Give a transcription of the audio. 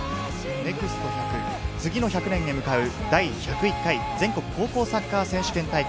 ＮＥＸＴ１００、次の１００年へ向かう、第１０１回全国高校サッカー選手権大会。